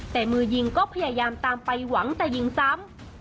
แต่มือยิงก็พยายามตามไปหวังจะยิงซ้ำ